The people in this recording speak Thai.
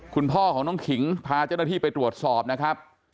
คุณพ่อของน้องขิงพาเจ้าหน้าที่ไปตรวจสอบนะครับ